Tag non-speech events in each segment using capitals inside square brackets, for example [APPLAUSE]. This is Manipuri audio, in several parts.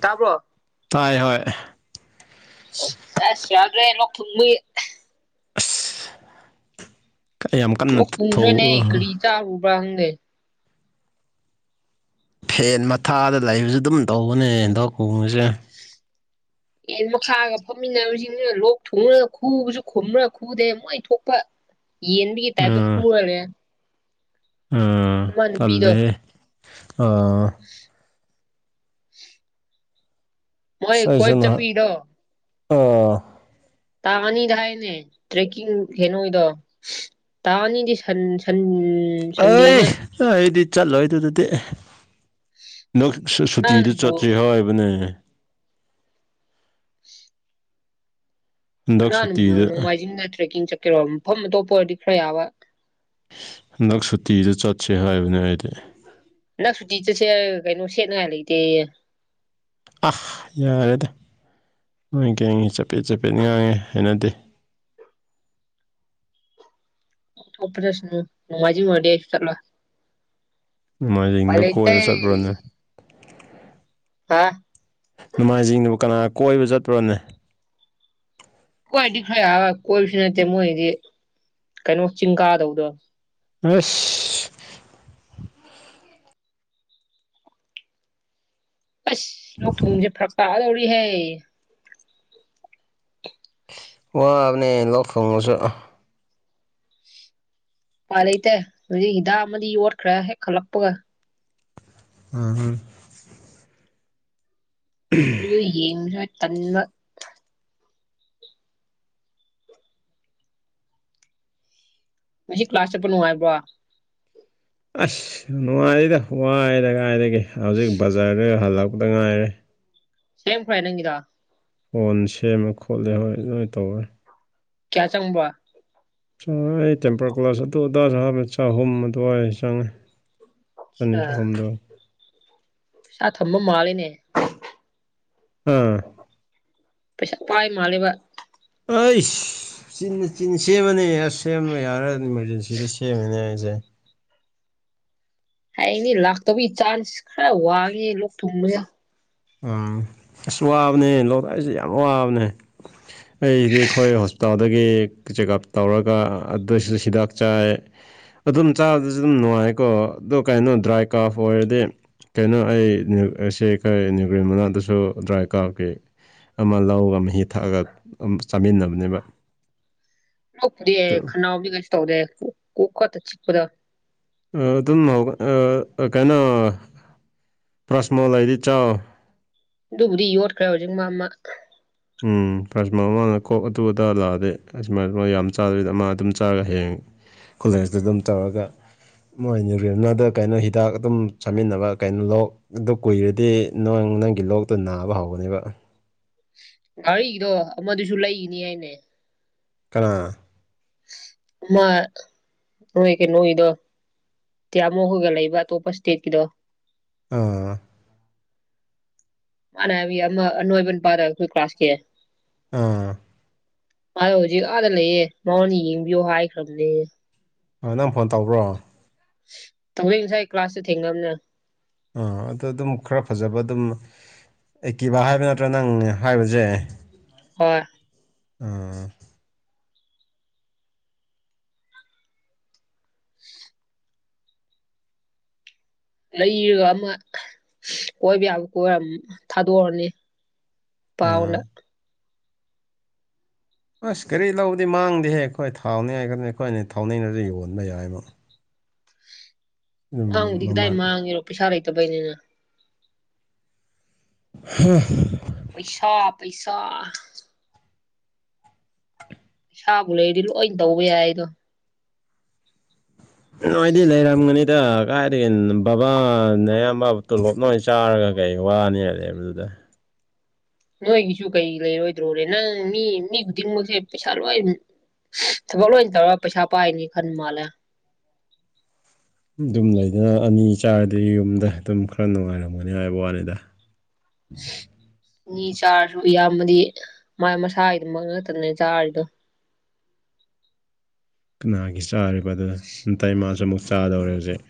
ꯇꯥꯕꯔ ꯇꯥꯏ ꯍꯣꯏ ꯑꯁ꯭ ꯌꯥꯗ꯭ꯔꯦꯅ ꯊ [UNINTELLIGIBLE] ꯌꯥꯝ ꯀꯟꯅ ꯑꯣ ꯊꯧ ꯄꯔꯅꯦ ꯀꯔꯤ ꯇꯥꯔ ꯎꯕꯪꯒꯦ ꯐꯦꯟ ꯃꯊꯥꯗ ꯂꯩꯕꯁꯨ ꯑꯗꯨꯝ ꯇꯧꯕꯅꯦ ꯍꯦꯟꯗꯥꯛ ꯀꯣꯡꯉꯁꯦ ꯑꯦ ꯃꯈꯥꯒ ꯐꯝꯃꯤꯟꯅꯕꯁꯤꯡꯁꯤꯅ ꯂꯣꯛ ꯊꯨꯡꯅꯒ ꯈꯨꯕꯁꯨ ꯈꯨꯝꯕ꯭ꯔꯒ ꯈꯨꯗꯩꯦ ꯃꯛꯣꯏ ꯊꯣꯛꯄ ꯌꯦꯟꯕꯤꯒꯤ ꯇꯥꯏꯕ ꯍꯨꯔꯦ ꯅꯨꯄꯤꯗꯣ ꯊꯜꯗ ꯃꯣꯏ ꯀꯣꯏꯕ ꯁꯥꯏꯁꯅꯍ ꯆꯠꯄꯒꯤꯗꯣ ꯑ ꯇ ꯑꯅꯤꯗ ꯍꯥꯏꯅꯦ ꯇ꯭ꯔꯦꯛꯀꯤ ꯍꯅꯣꯣꯏꯗ ꯇꯥꯅꯤꯗꯤ ꯁꯟ ꯁꯟꯝ ꯑꯩ ꯁꯟꯗꯦꯅ ꯑꯩꯗꯤ ꯆꯠꯂꯣꯏ ꯑꯗꯨꯗꯗꯤ ꯅꯪ ꯁꯨꯇꯤꯗ ꯀꯅꯥꯅꯕꯨ ꯆꯠꯁꯦ ꯍꯥꯏꯕꯅꯦ [UNINTELLIGIBLE] ꯍꯟꯗꯛ ꯀꯅꯥꯕꯨ ꯁꯨꯇꯤꯗ ꯅꯣꯡꯃꯥꯏꯖꯤꯡꯗ ꯇ꯭ꯔꯦꯛꯀꯤꯡ ꯆꯠꯀꯦꯔꯣ ꯃꯐꯝ ꯑꯇꯣꯞꯄ ꯑꯣꯏꯔꯗꯤ ꯈꯔ ꯌꯥꯕ ꯅꯛ ꯁꯨꯇꯤꯗꯨ ꯆꯠꯁꯦ ꯍꯥꯏꯕꯅꯦ ꯍꯥꯏꯗꯤ ꯟꯗꯛ ꯁꯨꯇꯤ ꯆꯠꯁꯦ ꯀꯩꯅꯣ ꯁꯦꯠꯅꯉꯥꯏ ꯂꯩꯇꯦ ꯑꯍ ꯌꯥꯔꯦꯗ ꯅꯨꯡꯉꯥꯏ ꯀꯦ ꯆꯠꯄꯦꯠ ꯆꯠꯄꯦꯠ ꯉꯥꯡꯉꯦ ꯍꯥꯏꯅꯗꯦ ꯑꯣ꯭ꯔꯁꯅ ꯃꯃꯖꯤ ꯃ ꯍꯥꯏꯁꯂ ꯅꯃꯥꯏꯖꯤꯡꯗ ꯂꯩꯇꯦ ꯀꯣꯏꯕ ꯆꯠꯄ꯭ꯔꯣꯅꯦ ꯍꯥ ꯅꯣꯡꯃꯥꯏꯅꯖꯤꯡꯗꯕ ꯀꯅꯥ ꯀꯣꯏꯕ ꯆꯠꯄ꯭ꯔꯣꯅꯦ ꯀꯣꯏꯗꯤ ꯈꯔ ꯌꯥ ꯀꯣꯏꯕꯁꯨ ꯅꯠꯇꯦ ꯃꯣꯏꯗꯤ ꯀꯩꯅꯣ ꯆꯤꯡ ꯀꯥꯗꯧꯗꯣ ꯁ ꯑꯁ ꯂꯣꯛ ꯊꯣꯡꯁꯦ ꯐꯔꯛ ꯇꯥꯛꯑꯗꯧꯔꯤꯍꯦ ꯋꯥ ꯑꯅꯤ ꯂꯛ ꯐꯣꯡꯁꯨ ꯎꯄꯥꯏ ꯂꯩꯇꯦ ꯍꯧꯖꯤꯛ ꯍꯤꯗꯥꯛ ꯑꯃꯗꯤ ꯌꯣꯠꯈ꯭ꯔꯦ ꯍꯦꯛ ꯈꯜꯂꯛꯄꯒ ꯎꯝꯝ ꯎꯝ ꯌꯦ ꯇ ꯉ ꯀ ꯀ꯭ꯂꯥꯁ ꯆꯄꯅꯣꯉꯕꯕꯥ ꯑꯁ ꯅꯨꯡꯉꯥꯏꯔꯤꯗ ꯋꯥꯏꯔ ꯀꯥꯏꯗꯒꯤꯦ ꯍꯧꯖꯤꯛ ꯕꯖꯥꯔꯗꯨ ꯍꯜꯂꯛꯄꯗ ꯉꯥꯏꯔꯦ ꯁꯦꯝ ꯐ꯭ꯔꯥꯏ ꯅꯪꯒꯗ ꯐꯣꯟ ꯁꯦꯝꯃꯦ ꯈꯣꯠꯂꯦ ꯍꯣꯏ ꯑꯗꯨꯣꯏꯅ ꯇꯧꯋꯦ ꯀꯌꯥ ꯆꯪꯕ ꯆꯪꯉ ꯑꯩ ꯇꯦꯝꯄꯔ ꯒ꯭ꯂꯥꯁ ꯑꯗꯨ ꯑꯗꯥꯏ ꯍꯥꯏꯕ ꯆꯍꯨꯝ ꯑꯗꯨꯋꯥꯏꯗ ꯆꯪꯉꯦ ꯆꯅꯤ ꯆ ꯀꯣꯗ ꯄꯩꯁꯥ ꯊꯝꯕ ꯃꯥꯜꯂꯤꯅꯦ ꯎꯝ ꯄꯩꯁꯥ ꯄꯥꯏ ꯃꯥꯂꯦꯕ ꯑꯩ ꯆꯤ ꯆꯤꯟ ꯁꯦꯝꯃꯅꯦ ꯁꯦꯝꯕ ꯌꯥꯔ ꯏꯃꯥꯔꯖꯦꯟꯁꯤꯗ ꯁꯦꯝꯃꯦꯅꯦ ꯑꯩꯁꯦ ꯍꯥꯏꯅꯦ ꯂꯥꯛꯇꯕꯒꯤ ꯆꯥꯟꯁ ꯈꯔ ꯋꯥꯉꯦ ꯂꯣꯛ ꯊꯨꯡꯕꯗ ꯎꯝ ꯑꯁ ꯋꯥꯕꯅꯦ ꯂꯧꯣꯛꯔꯥꯛꯏꯁꯦ ꯌꯥꯝ ꯋꯥꯕꯅꯦ ꯑꯩꯁꯤꯗꯤ ꯑꯩꯈꯣꯏ ꯍꯣꯁꯄꯤꯇꯥꯜꯗꯒꯤ ꯆꯦꯛꯑꯞ ꯇꯧꯔꯒ ꯑꯗꯨꯏꯁꯤꯗ ꯍꯤꯗꯥꯛ ꯆꯥꯏ ꯑꯗꯨꯝ ꯆꯥꯕꯗꯁꯨ ꯑꯗꯨꯝ ꯅꯨꯡꯉꯥꯏꯀꯣ ꯑꯗꯨꯣ ꯀꯩꯅꯣ ꯗ꯭ꯔꯥꯏ ꯀꯥꯐ ꯑꯣꯏꯔꯗꯤ ꯀꯩꯅꯣ ꯑꯩꯁ ꯑꯩꯈꯣꯏ ꯅ꯭ꯌꯨꯒ꯭ꯔꯤ ꯃꯅꯥꯗꯁꯨ ꯗ꯭ꯔꯥꯏ ꯀꯥꯔꯈꯤ ꯑꯃ ꯂꯧꯔꯒ ꯃꯍꯤ ꯊꯛꯑꯒ ꯆꯥꯃꯤꯟꯅꯕꯅꯦꯕ ꯂꯞꯗꯤꯦ ꯈꯅꯥꯕꯤ ꯀꯁ ꯇꯧꯗꯦ ꯆꯤꯄꯗ ꯑꯗꯨꯝ ꯀꯩꯅꯣ ꯄ꯭ꯔꯁꯃꯣꯜ ꯍꯥꯏꯗꯤ ꯆꯥꯎ ꯑꯗꯨꯕꯨꯗꯤ ꯌꯣꯠꯈ꯭ꯔꯦ ꯍꯧꯖꯤꯛ ꯃꯥ ꯑꯃ ꯎꯝ ꯀꯁꯇꯃꯔ ꯃꯃꯥꯡꯗ ꯀꯣꯛ ꯑꯗꯨ ꯑꯗ ꯂꯥꯛꯑꯗꯤꯦ ꯑꯁꯨꯃꯥꯏꯅ ꯌꯥꯝ ꯆꯥꯗꯔꯤꯗ ꯃꯥ ꯑꯗꯨꯝ ꯆꯥꯔꯒ ꯍꯌꯦꯉꯦ ꯈꯨꯂꯖꯇ ꯑꯗꯨꯝ ꯇꯧꯔꯒ ꯃꯣꯏꯅꯤ ꯔꯦꯕꯅꯥꯗ ꯀꯩꯅꯣ ꯍꯤꯗꯥꯛ ꯑꯗꯨꯝ ꯆꯥꯃꯤꯟꯅꯕ ꯀꯩꯅꯣ ꯂꯣꯛ ꯑꯗꯨꯣ ꯀꯨꯏꯔꯗꯤ ꯅ ꯅꯪꯒꯤ ꯂꯣꯛꯇꯨ ꯅꯥꯕ ꯍꯧꯒꯅꯦꯕ ꯔꯤꯗꯣ ꯑꯗꯨꯗꯨꯁꯨ ꯂꯩꯑꯤꯅꯤ ꯍꯥꯏꯅꯦ ꯀꯅꯥ ꯃꯥ ꯍꯣꯏ ꯀꯩꯅꯣ ꯏꯗ ꯇꯤꯌꯥꯃꯣꯛꯒ ꯂꯩꯕ ꯑꯇꯣꯞꯄ ꯏꯁꯇꯦꯠꯀꯤꯗꯣ ꯑꯥ ꯑ ꯑꯅ ꯄꯔ ꯀ꯭ꯂꯥꯁꯀꯤ ꯑꯥ ꯑꯗꯣ ꯍꯧꯖꯤꯛ ꯑꯥꯗ ꯂꯩꯌꯦ ꯅꯉꯣꯟꯅ ꯌꯦꯡꯕꯤꯌꯣ ꯍꯥꯏꯈ꯭ꯔꯕꯅꯦ ꯍꯣꯏ ꯅꯪ ꯐꯣꯟ ꯇꯧꯕ꯭ꯔꯣ ꯊꯁꯥꯏ ꯀ꯭ꯂꯥꯁꯦ ꯊꯦꯡꯅꯕꯅꯦ ꯑꯥ ꯑꯗꯣ ꯑꯗꯨꯝ ꯈꯔ ꯐꯖꯕ ꯑꯗꯨꯝ ꯑꯩꯀꯤꯕ ꯍꯥꯏꯕ ꯅꯠꯇ꯭ꯔꯥ ꯅꯪ ꯍꯥꯏꯕꯁꯦ ꯍꯣꯏ ꯎꯝ ꯂꯩꯔꯒ ꯑꯃ ꯀꯣꯏꯕ ꯌꯥꯕ ꯀꯣꯏꯔ ꯊꯥꯗꯣꯛꯔꯅꯤ ꯑꯥ ꯄꯥꯎꯅ ꯑꯁ ꯀꯔꯤ ꯂꯧꯕꯗꯤ ꯃꯥꯡꯗꯦꯍꯦ ꯑꯩꯈꯣꯏ ꯊꯥꯎꯅꯤ ꯍꯥꯏꯒꯅꯤ ꯑꯩꯈꯣꯏꯅꯤ ꯊꯥꯎꯅꯔꯁꯨ ꯌꯣꯟꯕ ꯌꯥꯏꯕ ꯑꯗꯨꯝ ꯑꯗꯤꯛ ꯇꯥꯏ ꯃꯃꯜ ꯃꯥꯥꯡ ꯏꯔꯣ ꯄꯤꯁꯥ ꯂꯩꯇꯕꯩꯅꯤꯅ ꯍꯥꯥ ꯄꯩꯁꯥ ꯄꯩꯁꯥ ꯏꯁꯕꯨ ꯂꯩꯗꯤ ꯂꯣꯏꯅ ꯇꯧꯕ ꯌꯥꯏꯗꯣ ꯅꯣꯏꯗꯤ ꯂꯩ ꯔꯝꯒꯅꯤ ꯁꯤꯗ ꯀꯥꯏꯗꯒꯤꯦ ꯕꯕꯥꯅ ꯑꯌꯥꯝꯕ ꯇꯣꯂꯣꯞꯅꯣꯏ ꯑꯣꯏꯅ ꯆꯥꯔꯒ ꯀꯩ ꯋꯥꯅꯤ ꯍꯥꯏꯂꯦꯕꯗꯨꯗ ꯅꯣꯏꯒꯤꯁꯨ ꯀꯩ ꯂꯩꯔꯣꯏꯗ꯭ꯔꯣꯣꯔꯦ ꯅꯪ ꯃꯤ ꯃꯤ ꯈꯨꯗꯤꯡꯃꯛꯁꯦ ꯄꯩꯁꯥ ꯂꯣꯏ ꯊ ꯐ ꯂ ꯇꯧꯔ ꯄꯩꯁꯥ ꯄꯥꯏꯅꯤ ꯈꯟ ꯃꯥꯜꯂꯦ ꯑꯗꯨꯝ ꯂꯩꯗꯅ ꯑꯅꯤ ꯆꯥꯔꯗꯤ ꯌꯨꯝꯗ ꯑꯗꯨꯝ ꯈꯔ ꯅꯨꯡꯉꯥꯏꯔꯝꯒꯅꯤ ꯍꯥꯏꯕ ꯋꯥꯅꯤꯗ ꯃꯤ ꯆꯥꯔꯁꯨ ꯏꯌꯥꯝꯕꯗꯤ ꯃꯥꯏ ꯃꯁꯥꯒꯤꯗꯨꯃꯛꯉꯛꯇꯅꯦ ꯆꯥꯔꯗꯣ ꯀꯅꯥꯒꯤ ꯆꯥꯔꯤꯕ ꯑꯗꯨ ꯅꯨꯡꯇ ꯃꯥꯁꯨ ꯑꯃꯨꯛ ꯆꯥꯗꯧꯔꯦ ꯍꯧꯖꯤꯛ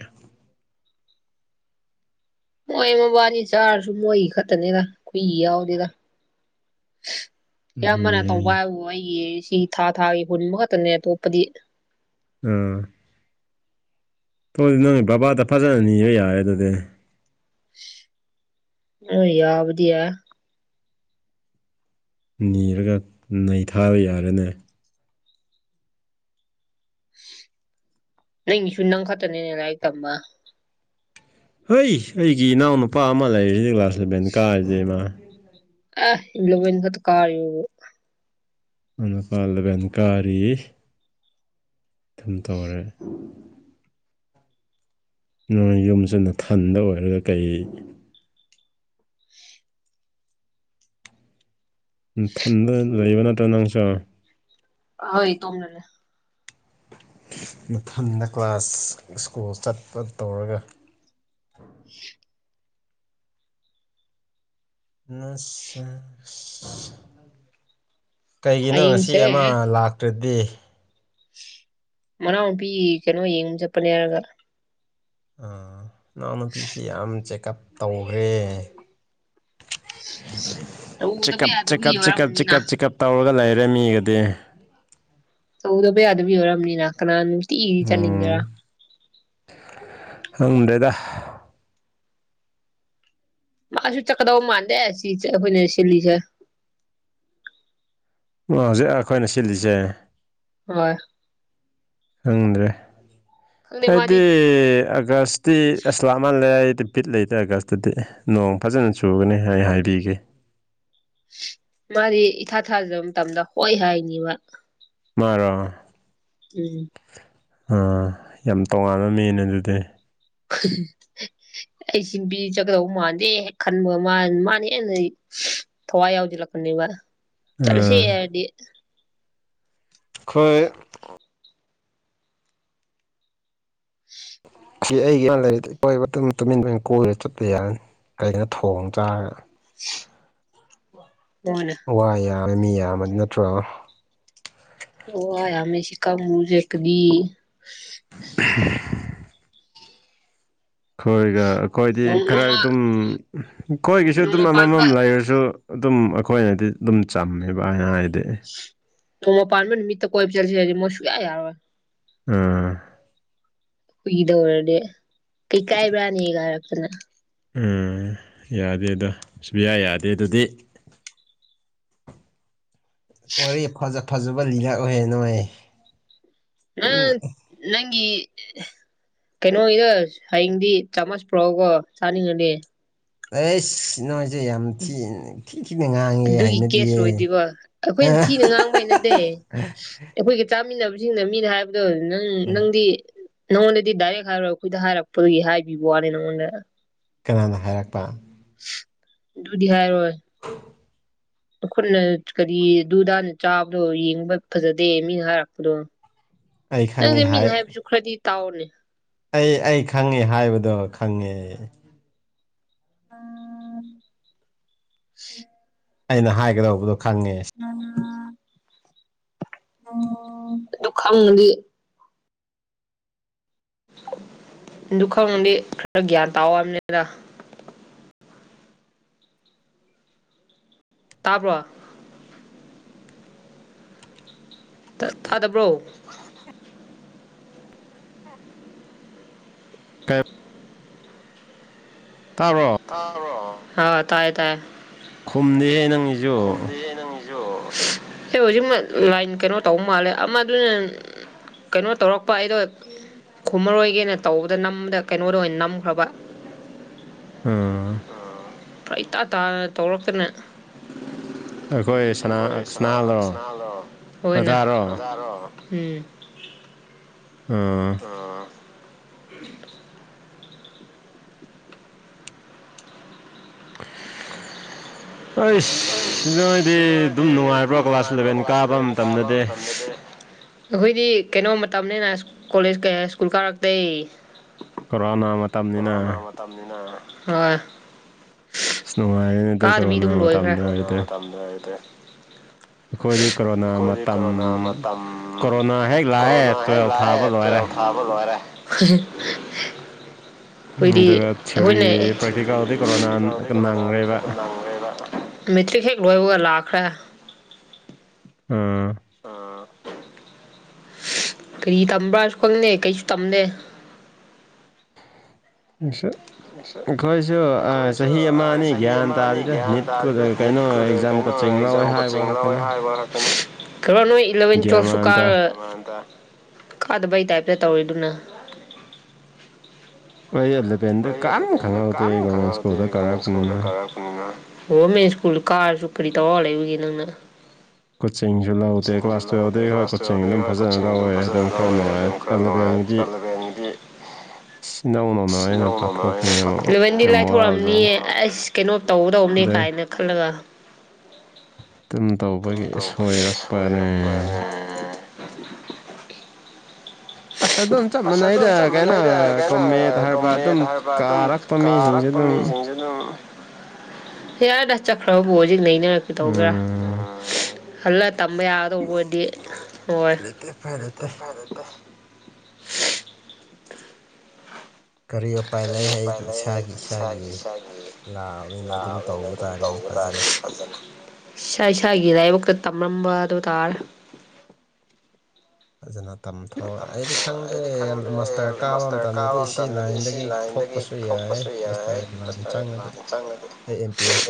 ꯃꯣꯏ ꯃꯕꯥꯅꯤ ꯆꯥꯔꯁꯨ ꯃꯣꯏ ꯈꯛꯇꯅꯤꯗ ꯀꯨꯏ ꯌꯥꯎꯗꯦꯗ [UNINTELLIGIBLE] ꯑꯌꯥꯝꯕꯅ ꯇꯧꯕ ꯍꯥꯏꯕꯨ ꯑꯩꯒꯤ ꯁꯤ ꯊꯥ ꯊꯥꯒꯤ ꯍꯨꯟꯕ ꯈꯛꯇꯅꯦ ꯑꯇꯣꯞꯄꯗꯤ ꯎꯝ ꯇꯧꯗꯤ ꯅꯪꯒꯤ ꯕꯕꯥꯗ ꯐꯖꯅ ꯅꯤꯕ ꯌꯥꯔꯦ ꯑꯗꯨꯗꯤ ꯍꯣꯏ ꯌꯥꯕꯗꯤ ꯌꯥꯢ ꯅꯤꯔꯒ ꯅꯩꯊꯥꯕ ꯌꯥꯔꯦꯅꯦ ꯅꯪꯁꯨ ꯅꯪ ꯈꯛꯇꯅꯦꯅꯦ ꯅꯥꯏ ꯇꯝꯕ ꯍꯣꯏ ꯑꯩꯒꯤ ꯏꯅꯥꯎꯅꯨꯄꯥ ꯑꯃ ꯂꯩꯔꯤꯁꯤꯗꯤ ꯀ꯭ꯂꯥꯁ ꯂꯚꯦꯟ ꯀꯥꯔꯤꯁꯦ ꯃꯥ ꯑꯁ ꯏꯂꯕꯦꯟ ꯈꯠꯇ ꯀꯥ [UNINTELLIGIBLE] ꯃꯅꯄꯥ ꯂꯕꯦꯟ ꯀꯥꯔꯤ ꯑꯗꯨꯝ ꯇꯧꯔꯦ ꯅꯣꯏ ꯌꯨꯝꯁꯤ ꯅꯊꯟꯗ ꯑꯣꯏꯔꯒ ꯀꯩ ꯊꯟꯗ ꯂꯩꯕ ꯅꯠꯇ꯭ꯔꯒ ꯅꯪꯁꯨ ꯍꯣꯏ ꯏꯇꯣꯝꯅꯅꯦ ꯐꯪꯒ [UNINTELLIGIBLE] ꯀ꯭ꯂꯥꯁ ꯁ꯭ꯀꯨꯜ ꯆꯠꯄ ꯇꯧꯔꯒ ꯑ ꯀꯩꯒꯤꯅꯣ ꯉꯁꯤ ꯍꯌꯦꯡꯁꯦ ꯑꯃ ꯂꯥꯛ ꯇ꯭ꯔꯗꯤ ꯃꯅꯥꯎꯄꯤ ꯀꯩꯅꯣ ꯌꯦꯡ ꯆꯄꯅꯤ ꯍꯥꯔꯒ ꯅꯥꯎꯅꯨꯄꯤꯁꯤ ꯌꯥꯝ ꯆꯦꯛꯀꯑꯞ ꯇꯧꯈ꯭ꯔꯦ ꯇꯧꯗꯕ ꯆꯦꯀꯞ ꯆꯦꯀꯞ ꯌꯥꯗꯕꯒꯤ ꯑꯣꯏꯔꯝꯃꯅꯤꯅ ꯆꯦꯀꯞ ꯆꯦꯀꯞ ꯇꯧꯔꯒ ꯂꯩꯔꯦ ꯃꯤꯒꯗꯤ ꯇꯧꯗꯕ ꯌꯗꯕꯒꯤ ꯑꯣꯏꯔ ꯑ ꯑꯃꯅꯤꯅ ꯀꯅꯅ ꯅꯨꯇꯤꯒꯤ ꯆꯅꯤꯡꯒꯦꯔꯥ ꯈꯪꯗꯦꯗ ꯃꯥꯁꯨ ꯆꯠꯀꯗꯧ ꯃꯥꯟꯗꯦ ꯁꯤ ꯑꯩꯈꯣꯏꯅ ꯁꯤꯜꯂꯤꯁꯦ ꯍꯧꯖꯤꯛ ꯑꯩꯈꯣꯏꯅ ꯁꯤꯜꯂꯤꯁꯦ ꯍꯣꯏ ꯈꯪꯗ꯭ꯔꯦ ꯈꯪꯗꯦ ꯃꯥꯗꯤ ꯑꯩꯗꯤ ꯑꯥꯒꯁ ꯇꯤ ꯑꯁꯂꯥꯃꯜꯂꯦꯗꯤ ꯕꯤꯠ ꯂꯩꯇꯔꯒꯁꯇꯗꯤ ꯅꯣꯡ ꯐꯖꯅ ꯆꯨꯒꯅꯤ ꯍꯥꯏ ꯍꯥꯏꯕꯤꯒꯦ ꯃꯥꯗꯤ ꯏꯊꯥ ꯊꯥꯖꯕ ꯃꯇꯝꯗ ꯍꯣꯏ ꯍꯥꯏꯅꯤꯕ ꯃꯥꯔꯣ ꯎꯝ ꯌꯥꯝ ꯇꯣꯉꯥꯟꯕ ꯃꯤꯅꯦ ꯑꯗꯨꯗꯤ [UNINTELLIGIBLE] ꯑꯩ ꯁꯤ ꯕꯤ ꯆꯠꯒꯗꯧ ꯃꯥꯟꯗꯦ ꯈꯟꯕ ꯃꯥ ꯃꯥꯅ ꯍꯦꯟꯅ ꯊꯋꯥꯏ ꯌꯥꯎꯖꯤꯜ ꯂꯛꯄꯅꯦꯕ ꯑꯥ ꯆꯂꯁꯤ ꯑꯩꯈꯣꯏ [UNINTELLIGIBLE] ꯁꯤ ꯑꯩꯒꯤ ꯌꯥꯝ ꯂꯩꯔꯤꯗꯤ ꯏꯀꯣꯏꯕ ꯑꯗꯨꯝ ꯇꯨꯃꯤꯟ ꯇꯨꯃꯤꯟ ꯀꯣꯏꯔꯦ ꯆꯠꯄ ꯌꯥꯔꯅꯤ ꯀꯩꯒꯤꯅꯣ ꯊꯣꯡ ꯆꯥꯔꯒ [UNINTELLIGIBLE] ꯋꯥ ꯑꯣꯅ ꯋꯥ ꯌꯥꯔ ꯃꯤ ꯌꯥꯝꯃ ꯅꯠꯇ꯭ꯔꯣ ꯌꯥ ꯌꯥꯝꯃꯦ ꯁꯤ ꯀꯥꯡꯕꯨꯁꯦꯀꯒꯤ ꯎ ꯈꯣꯏꯒ ꯑꯩꯈꯣꯏꯗꯤ ꯈꯔ ꯅꯣꯡꯃ ꯑꯗꯨꯝ ꯈꯣꯏꯒꯤꯁꯨ ꯑꯗꯨꯝ ꯅꯣꯡꯃ ꯄꯥꯟꯕ ꯑꯃꯃꯝ ꯂꯩꯔꯁꯨ ꯑꯗꯨꯝ ꯑꯩꯈꯣꯏꯅꯗꯤ ꯑꯗꯨꯝ ꯆꯝꯃꯦꯕ ꯑꯅ ꯍꯥꯏꯗꯤ ꯅꯣꯡꯃ ꯄꯥꯟꯕ ꯅꯨꯃꯤꯠꯇ ꯀꯣꯏꯕ ꯆꯁꯤꯖ ꯃꯣꯏ ꯁꯨꯛꯌꯥ ꯌꯥꯔꯣꯏ ꯑꯥ ꯀꯨꯏꯗꯧꯔꯗꯤ ꯀꯩ ꯀꯥꯏꯕ꯭ꯔꯥꯅꯦ ꯀꯥꯏꯔꯛꯇꯅ ꯎꯝ ꯌꯥꯗꯦ ꯑꯗꯣ ꯁꯨꯌꯥ ꯌꯥꯗꯦ ꯑꯗꯨꯗꯤ ꯋꯥꯔꯤ ꯐꯖ ꯐꯖꯕ ꯂꯤꯂꯛ ꯑꯣꯏꯌꯦ ꯅꯣꯏ ꯑ ꯎꯝ ꯅꯪꯒꯤ ꯀꯩꯅꯣꯒꯤꯗ ꯍꯌꯦꯡꯗꯤ ꯆꯥꯃꯁ ꯄꯨꯔꯛꯎ ꯀꯣ ꯆꯥꯅꯤꯡꯉꯗꯤ ꯑꯦꯁ ꯅꯣꯏꯖꯤ ꯌꯥꯝ ꯊꯤ ꯊꯤꯅ ꯉꯥꯡ ꯑꯗꯨꯒꯤ ꯀꯦꯁ ꯂꯣꯏꯗꯤꯕꯣ ꯑꯩꯈꯣꯏꯅ ꯊꯤꯅ ꯉꯥꯡꯕ ꯅꯠ ꯇꯦ ꯑꯩꯈꯣꯏꯒ ꯆꯥꯃꯤꯟꯅꯕꯁꯤꯡꯅ ꯃꯤꯅ ꯍꯥꯏꯕꯗꯣ ꯅꯪ ꯎꯝ ꯅꯪꯗꯤ ꯅꯪꯉꯣꯟꯗꯗꯤ ꯗꯥꯏꯔꯦꯛ ꯍꯥꯏꯔꯣꯏ ꯑꯩꯈꯣꯏꯗ ꯍꯥꯏꯔꯛꯄꯗꯨꯒꯤ ꯍꯥꯏꯕꯤꯕ ꯋꯥꯅꯤ ꯅꯪꯉꯣꯟꯗ ꯀꯅꯥꯅ ꯍꯥꯏꯔꯛꯄ ꯗꯨꯗꯤ ꯍꯥꯏꯔꯣꯏ [UNINTELLIGIBLE] ꯑꯩꯈꯣꯏꯅ ꯀꯔꯤ ꯗꯨꯗꯥꯅ ꯆꯥꯕꯗꯣ ꯌꯦꯡꯕ ꯐꯖꯗꯦ ꯃꯤꯅ ꯍꯥꯏꯔꯛꯄꯗꯣ ꯑꯩ ꯈꯪꯉꯤ ꯅꯪꯗꯤ ꯍꯥꯏ ꯃꯤꯅ ꯍꯥꯏꯕꯁꯨ ꯈꯔꯗꯤ ꯇꯥꯎꯅꯦ ꯑꯩ ꯑꯩ ꯈꯪꯉꯦ ꯍꯥꯏꯕꯗꯣ ꯈꯪꯉꯦ ꯎꯝ ꯑꯩꯅ ꯍꯥꯏꯒꯗꯧꯕꯗꯣ ꯈꯪꯉꯦ ꯎꯝ ꯎꯝ ꯑꯗꯨ ꯈꯪꯉꯗꯤ ꯗꯨ ꯈꯪꯉꯗꯤ ꯈꯔ ꯒ꯭ꯌꯥꯟ ꯇꯥꯎ ꯍꯥꯏꯃꯤꯗ ꯇꯥꯕ꯭ꯔꯣ ꯇꯥꯗꯕ꯭ꯔꯣ ꯀꯩ ꯇꯥꯕ꯭ꯔꯣ ꯍꯥꯎ ꯇꯥꯏ ꯇꯥꯏ ꯈꯨꯝꯗꯦꯍꯦ ꯅꯪ ꯈꯨꯝꯗꯤꯌꯦ ꯅꯪ ꯑꯦ ꯍꯧꯖꯤꯛꯃꯛ ꯂꯥꯏꯟ ꯀꯩꯅꯣ ꯇꯧꯕ ꯃꯥꯜꯂꯦ ꯑꯃ ꯑꯗꯨꯅ ꯀꯩꯅꯣ ꯇꯧꯔꯛꯄ ꯑꯩꯗꯣ ꯈꯨꯝꯃꯔꯣꯏꯒꯦꯅ ꯇꯧꯕꯗ ꯅꯝꯕꯗ ꯀꯩꯅꯣꯗ ꯑꯣꯏꯅ ꯅꯝꯈ꯭ꯔꯕ ꯎꯝ ꯐꯔꯛ ꯏꯇꯥ ꯇꯥꯅ ꯇꯧꯔꯛꯇꯅ ꯑꯩꯈꯣꯏ ꯁꯅꯥ ꯑꯩꯈꯣꯏꯅꯥ ꯁꯅꯥꯗꯣ ꯁꯅꯥ ꯑꯣꯖꯥꯔꯣ ꯔꯗꯥꯔꫭ ꯎꯝ ꯎꯝ ꯑ [INAUDIBLE] ꯑꯩ ꯁꯤ ꯅꯣꯏꯗꯤ ꯑꯁ ꯅꯣꯏꯗꯤ ꯑꯗꯨꯝ ꯅꯨꯡꯉꯥꯏꯕ꯭ꯔꯣ ꯑꯗꯨꯝ ꯀ꯭ꯂꯥꯁ ꯅꯨꯡꯉꯥꯏꯕ꯭ꯔꯣ ꯏꯂꯚꯦꯟ ꯀꯥꯕ ꯏꯂꯚꯦꯟ ꯀꯥꯕ ꯃꯇꯝꯗꯗꯤ ꯑꯩꯈꯣꯏꯗꯤ ꯀꯩꯅꯣ ꯃꯇꯝꯅꯤꯅ ꯀꯣꯂꯦꯖ ꯀꯌꯥ ꯁ꯭ꯀꯨꯜ ꯀꯥꯔꯛꯇ‌ꯦ ꯀꯣꯔꯔꯣꯅꯥ ꯀꯣꯔꯣꯅꯥ ꯃꯇꯝꯅꯤꯅ ꯍꫭꯏ ꯅꯨꯡꯉꯥꯏꯔꯦꯅꯦ ꯑꯗꯨ ꯀꯥꯗꯕꯤ ꯀꯣꯔꯣꯅꯥ ꯑꯗꯨꯝ ꯂꯣꯏꯈ꯭ꯔꯦ ꯃꯇꯝꯗ ꯑꯣꯏꯔꯗꯤ ꯑꯩꯈꯣꯏꯗꯤ ꯀꯣꯔꯣꯅꯥ ꯑꯩꯈꫭꯏꯗꯤ ꯃꯇꯝ ꯀꯣꯔꯣꯅꯥ ꯃꯇꯝ ꯀꯣꯔꯣꯅꯥ ꯍꯦꯛ ꯂꯥꯛꯑꯦ ꯀꯣꯔꯣꯅꯥ ꯍ‌ꯦꯛ ꯇꯨꯋꯦꯜꯐ ꯂꯥꯛꯑꯦ ꯊꯥꯕ ꯂꯣꯏꯔꯦ ꯇꯨꯌ‌ꯦꯞ ꯊꯥ ꯂꯣꯏꯔꯦ ꯑꯩꯈꯣꯏꯗꯤ ꯑꯗꯨꯒ ꯊꯤꯑꯣꯔꯤ ꯑꯩꯈꯣꯏꯅꯦ ꯄ꯭ꯔꯦꯛꯇꯤꯀꯦꯜꯗꯤ ꯀꯣꯔꯣꯅꯥ ꯅꯪꯈ꯭ꯔꯦꯕ ꯃꯦꯇ꯭ꯔꯤꯛ ꯍꯦꯛ ꯂꯣꯏꯕꯒ ꯂꯥꯛꯈ꯭ꯔꯦ ꯑ ꯑ ꯀꯔꯤ ꯇꯝꯕ꯭ꯔꯥꯁꯨ ꯈꯪꯗꯦ ꯀꯩꯁꯨ ꯇꯝꯗꯦ ꯑꯩꯁꯨ ꯑꯩꯈꯣꯏꯁꯨ ꯑꯃ ꯑꯅꯤ ꯆꯍꯤ ꯒ꯭ꯌꯥꯟ ꯑꯃ ꯑꯅꯤ ꯇꯥꯗꯦꯗ ꯒ꯭ꯌꯥꯟ ꯅꯤꯠ ꯇꯥꯗꯦꯗ ꯀꯩꯅꯣ ꯅꯤꯠꯀꯨꯗ ꯑꯦꯛꯖꯥꯝ ꯀꯩꯅꯣ ꯀꯣꯆꯤꯡ ꯂꯧꯋꯦ ꯑꯦꯛꯖꯥꯝ ꯍꯥꯏꯕ ꯀꯣꯆꯤꯡ ꯂꯧꯋꯦ ꯈꯛꯇꯅꯦ ꯍꯥꯏꯕ ꯈꯛꯇꯅꯤ ꯈꯔ ꯅꯣꯏ ꯏꯂꯚꯦꯟ ꯒ꯭ꯌꯥꯟ ꯇꯨꯋꯦꯜꯁꯨ ꯃꯥꯟ ꯇꯥ ꯀꯥꯔ ꯀꯥꯗꯕꯩ ꯇꯥꯏꯞꯇ ꯇꯧꯔꯤꯗꯨꯅ ꯑꯩ ꯑꯦꯂꯚꯦꯟꯗ ꯑꯩꯈꯣꯏ ꯀꯅꯥꯝ ꯈꯪꯍꯧꯗꯦ ꯒꯣꯔꯃꯦꯟ ꯁ꯭ꯀꯨꯜꯗ ꯒꯣꯕꯔꯃꯦꯜ ꯁꯀꯨꯜ ꯀꯥꯔꯛꯄꯅꯤꯅ ꯀꯥꯔꯛ ꯒꯣꯔꯃꯦꯟ ꯁ꯭ꯀꯨꯜ ꯀꯥꯔꯁꯨ ꯀꯔꯤ ꯇꯧꯔꯒ ꯂꯩꯕꯒꯦ ꯅꯪꯅ ꯀꯣꯆꯤꯡꯁꯨ ꯂꯧꯗꯦ ꯀꯣꯆꯤꯡꯁꯨ ꯀ꯭ꯂꯥꯁ ꯂꯧꯗꯦ ꯇꯨꯌꯦꯜꯞꯇꯒꯤ ꯍꯣꯏ ꯀ꯭ꯂꯥꯁ ꯀꯣꯆꯤꯡ ꯇꯨꯗ ꯑꯗꯨꯝ ꯍꯣꯏ ꯐꯖꯅ ꯀꯣꯆꯤꯡ ꯑꯗꯨꯝ ꯂꯧꯋꯦ ꯐꯖꯅ ꯈꯔ ꯂꯧꯋꯦ ꯅꯨꯡꯉꯥꯏ ꯑꯗꯨꯝ ꯈꯔ ꯅꯨꯡꯉꯥꯏ ꯑꯦꯂꯚꯦꯟꯒꯤꯗꯤ ꯑꯂꯕ‌ꯦꯟꯒꯤꯗꯤ ꯑꯁ ꯏꯅꯧ ꯅꯧꯅ ꯑꯩꯅ ꯄꯥꯊꯣꯛꯄꯅꯤꯅ ꯑꯃꯨꯛ ꯌꯥꯝ ꯏꯂꯚꯦꯟꯗꯤꯂꯥꯏ ꯊꯣꯔꯅꯤ ꯋꯥꯕꯖꯥꯠꯅꯤ ꯑꯁ ꯀꯩꯅꯣ ꯇꯧꯒꯗꯧꯅꯤ ꯑꯗꯩ ꯀꯥꯏꯅ ꯈꯜꯂꯒ ꯇꯨꯝ ꯇꯧꯕꯒꯤ ꯑꯗꯨꯝ ꯇꯧꯕꯒꯤ ꯁꯣꯏꯔꯛꯄꯅꯦ ꯑꯣꯏꯔꯛꯄꯅꯦ ꯑꯁ ꯑꯗꯨꯝ ꯆꯞ ꯑꯁ ꯑꯗꯨꯝ ꯃꯥꯟꯅꯩꯗ ꯆꯞ ꯀꯩꯅꯣ ꯃꯥꯟꯅꯩꯗ ꯀꯩꯅꯣ ꯀꯣꯃꯦꯠ ꯍꯥꯏꯕ ꯑꯗꯨꯝ ꯀꯣꯃꯦꯠ ꯍꯥꯏꯕ ꯑꯗꯨꯝ ꯀꯥꯔꯛꯄ ꯃꯤꯁꯤꯡꯁꯨ ꯀꯥꯔꯛꯄ ꯑꯗꯨꯝ ꯃꯤꯁꯤꯡꯁꯨ ꯌꯥ ꯌꯥꯔꯗ ꯆꯠꯈ꯭ꯔꯕꯕꯨ ꯍꯧꯖꯤꯛ ꯅꯩꯅꯔ ꯀꯩꯗꯧꯒꯦꯔꯥ ꯎꯝ ꯍꯜꯂ ꯇꯝꯕ ꯌꯥꯒꯗꯧꯕ ꯑꯣꯏꯗꯤ ꯍꯣꯏ ꯀꯔꯤꯌꯞ ꯀꯔꯤ ꯎꯄꯥꯏ ꯂꯩ ꯑꯩꯩ ꯏꯁꯥꯒꯤ ꯏꯁꯥꯒꯤ ꯂꯥꯕꯅꯤꯅ ꯑꯗꯨꯝ ꯇꯧꯕ ꯇꯥꯔꯦ ꯏꯁꯥ ꯏꯁꯥꯒꯤ ꯂꯥꯏꯕꯛꯇ ꯇꯝꯂꯝꯝꯕ ꯑꯗꯨ ꯇꯥꯔꯦ ꯑꯩꯗꯤ ꯈꯪꯗ꯭ꯔꯦ ꯃꯥꯁꯇꯔ ꯀꯥꯕ ꯃꯇꯝꯗꯗꯤ ꯁꯤ ꯂꯥꯏꯟꯗꯒꯤ ꯊꯣꯛꯄꯁꯨ ꯌꯥꯏꯁ ꯇꯔꯦ ꯃꯥ ꯆꯥꯡꯅꯒꯦ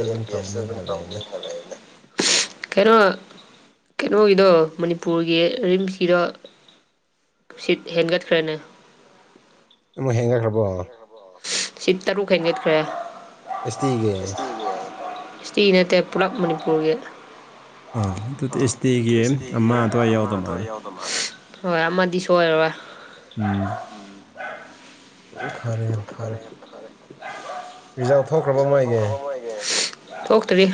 ꯑꯦꯝ ꯄꯤ ꯑꯦꯁ ꯇ ꯇꯧꯅꯤ ꯑꯗꯦ [INAUDIBLE] ꯀꯩꯅꯣ ꯀꯩꯅꯣꯒꯤꯗꯣ ꯃꯅꯤꯄꯨꯔꯒꯤ ꯔꯤꯝꯁꯀꯤꯗꯣ ꯁꯤꯠ ꯍꯦꯟꯒꯠꯈ꯭ꯔꯅꯦ ꯑꯃꯨꯛ ꯍꯦꯟꯒꯈ꯭ꯔꯕꯣ ꯁꯤꯠ ꯇꯔꯨꯛ ꯍ‌ꯦꯟꯒꯠ ꯈ꯭ꯔꯦ ꯁꯤ ꯅꯠꯇꯦ ꯄꯨꯂꯞ ꯃꯅꯤꯄꯨꯔꯒꯤ ꯑꯥ ꯑꯗꯨꯗꯤ ꯑꯦꯁ ꯇꯤꯒꯤ ꯑꯃ ꯑꯗꯨꯋꯥꯏ ꯌꯥꯎꯗ ꯃꯥꯜꯂꯦ ꯍꯣꯏ ꯑꯃꯗꯤ ꯁꯣꯏꯔꯔꯣꯏ ꯎꯝ ꯎꯝ ꯐꯔꯦ ꯌꯥꯝ ꯐꯔꯦ ꯃꯣꯏꯒꯤ ꯊꯣꯛ ꯇꯔꯤ